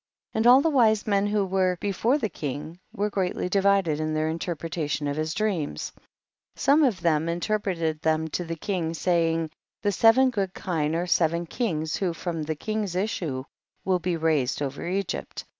16. And all the wise men who were before the king were greatly divided in their interpretation of his dreams ; some of them interpreted 150 THE BOOK OF JASHER. them to the king, saying, the seven good kine are seven kings, w^ho from the king's issue will be raised over Egypt.